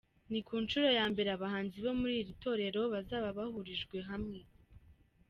Ni ku nshuro ya mbere abahanzi bo muri iri torero bazaba bahurijwe hamwe.